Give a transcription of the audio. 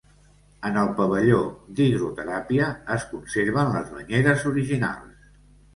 En el pavelló d'hidroteràpia es conserven les banyeres originals.